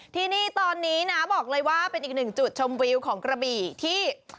ที่นี่ตอนนี้นะบอกเลยว่าเป็นอีกหนึ่งจุดชมวิวของกระบี่ที่